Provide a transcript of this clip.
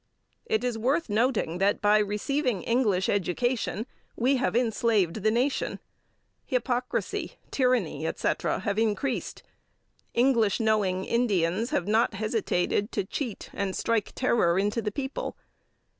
It is worth noting that, by receiving English education, we have enslaved the nation. Hypocrisy, tyranny, etc., have increased; English knowing Indians have not hesitated to cheat and strike terror into the people.